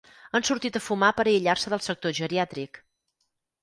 Han sortit a fumar per aïllar-se del sector geriàtric.